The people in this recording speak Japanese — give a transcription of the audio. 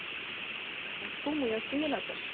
学校も休めなかった。